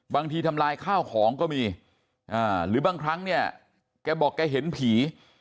ทำลายข้าวของก็มีหรือบางครั้งเนี่ยแกบอกแกเห็นผี